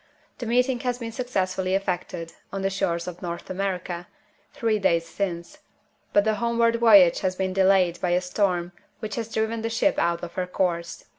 The meeting has been successfully effected, on the shores of North America, three days since. But the homeward voyage has been delayed by a storm which has driven the ship out of her course.